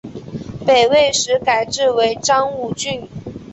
北魏时改置为章武郡。